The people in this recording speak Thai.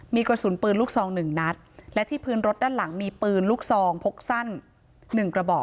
มีกระสุนปืนลูกซองหนึ่งนัดและที่พื้นรถด้านหลังมีปืนลูกซองพกสั้นหนึ่งกระบอก